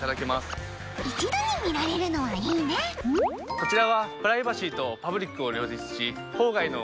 こちらは。